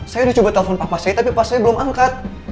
saya udah coba telepon papa saya tapi pas saya belum angkat